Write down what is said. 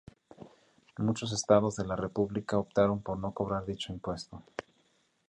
Muchos estados de la república optaron por no cobrar dicho impuesto.